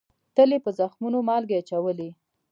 تل یې په زخمونو مالگې اچولې